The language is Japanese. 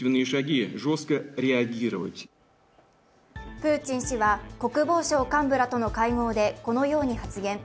プーチン氏は国防省幹部らとの会合でこのように発言。